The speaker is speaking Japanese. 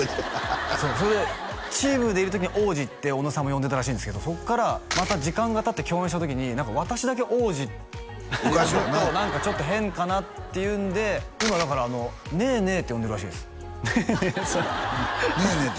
そうそれでチームでいる時に王子って尾野さんも呼んでたらしいんですけどそっからまた時間がたって共演した時に私だけ王子って呼ぶと何かちょっと変かなっていうんで今だからねぇねぇって呼んでるらしいですねぇねぇ